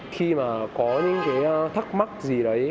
khi mà có những thắc mắc gì đấy